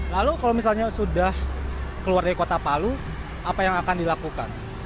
lalu kalau misalnya sudah keluar dari kota palu apa yang akan dilakukan